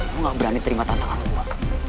lo gak berani terima tantangan gue